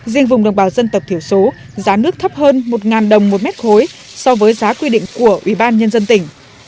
riêng vùng đồng bào dân tộc thiểu số giá nước thấp hơn một đồng một mét khối so với giá quy định của ủy ban nhân dân tỉnh